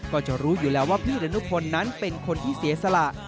ก็จะรู้อยู่แล้วว่าพี่ดนุพลนั้นเป็นคนที่เสียสละ